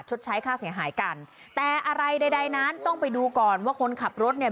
ใช้ค่าเสียหายกันแต่อะไรใดใดนั้นต้องไปดูก่อนว่าคนขับรถเนี่ย